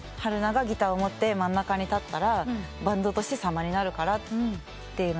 ＨＡＲＵＮＡがギターを持って真ん中に立ったらバンドとして様になるからって。